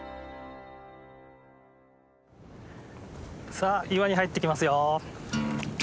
さあ岩に入っていきますよ。